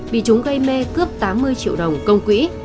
bị chúng gây mê cướp tám mươi triệu đồng công quỹ